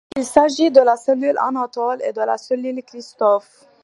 Il s'agit de la cellule-anatole et de la cellule-christophe.